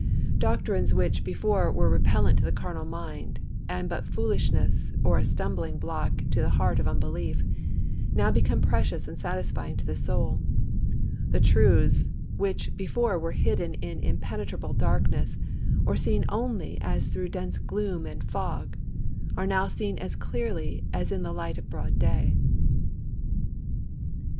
Doctrines which before were repellent to the carnal mind, and but foolishness, or a stumbling block to the heart of unbelief, now become precious and satisfying to the soul; and truths which before were hid in impenetrable darkness, or seen only as through dense gloom and fog, are now seen clearly as in the light of broad day.